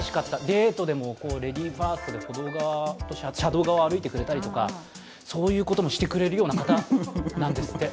デートでもレディーファーストを車道側を歩いてくれたりとか、そういうこともしてくれるような方なんですって。